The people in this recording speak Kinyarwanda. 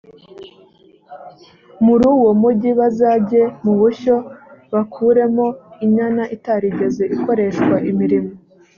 muri uwo mugi bazajye mu bushyo bakuremo inyana itarigeze ikoreshwa imirimo